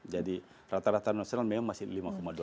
jadi rata rata nasional memang masih lima dua ton